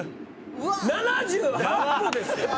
７８歩ですよ！